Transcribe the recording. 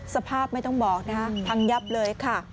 สภาพไม่ต้องบอกนะคะพังยับเลยค่ะ